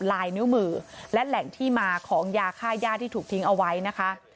ลายนิ้วมือและแหล่งที่มาของยาค่าย่าที่ถูกทิ้งเอาไว้นะคะ